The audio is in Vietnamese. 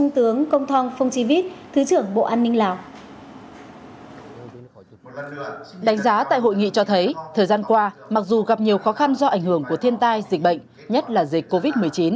thời gian qua mặc dù gặp nhiều khó khăn do ảnh hưởng của thiên tai dịch bệnh nhất là dịch covid một mươi chín